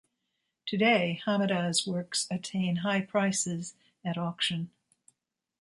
Today Hamada's works attain high prices at auction.